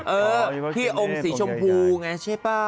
เออพี่องค์สีชมพูไงใช่ป่ะ